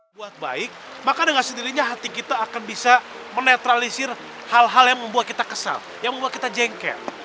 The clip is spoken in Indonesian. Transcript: buat baik maka dengan sendirinya hati kita akan bisa menetralisir hal hal yang membuat kita kesal yang membuat kita jengkel